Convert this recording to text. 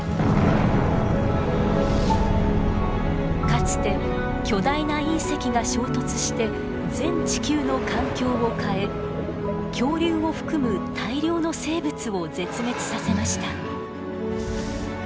かつて巨大な隕石が衝突して全地球の環境を変え恐竜を含む大量の生物を絶滅させました。